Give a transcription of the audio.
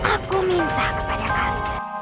aku minta kebanyakan